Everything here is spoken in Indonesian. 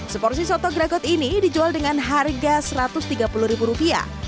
seporsi soto gragot ini dijual dengan harga rp satu ratus tiga puluh